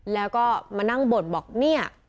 แล้วก็มานั่งบ่นบอกเนี่ย